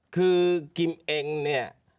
คือกิมเองเนี่ย